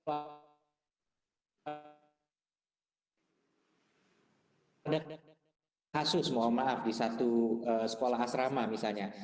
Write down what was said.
ada kasus mohon maaf di satu sekolah asrama misalnya